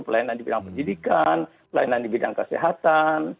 pelayanan di bidang pendidikan pelayanan di bidang kesehatan